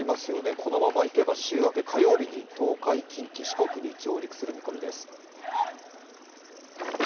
このまま行けば週明け火曜日に東海・近畿・四国に上陸する見込みです。